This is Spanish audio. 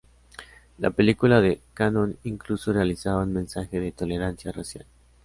La película de Cannon incluso realizaba un mensaje de tolerancia racial.